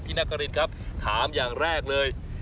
นักกรินครับถามอย่างแรกเลย